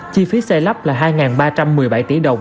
chi phí xây lắp là hai ba trăm một mươi bảy tỷ đồng